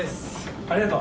ありがとう！